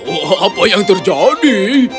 oh apa yang terjadi